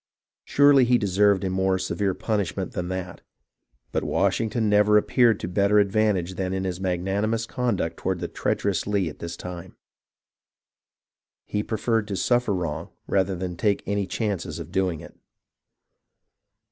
Surely he deserved a more severe punishment than that, but Washing ton never appeared to better advantage than in his mag nanimous conduct toward the treacherous Lee at this time. He preferred to suffer wrong rather than take any chances of doing it.